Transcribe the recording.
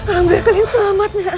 alhamdulillah kalian selamat ya